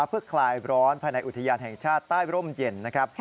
เพื่อคลายร้อนภายในอุทยานแห่งชาติใต้ร่มเย็นนะครับ